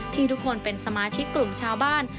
ทุกคนเป็นสมาชิกกลุ่มชาวบ้าน